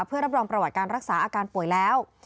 เพื่อรับรองประวัติการรักษาอาการป่วยแล้ว